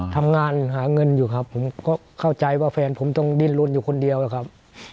ทำงานหาเงินอยู่ครับผมก็เข้าใจว่าแฟนผมต้องดิ้นลนอยู่คนเดียวนะครับ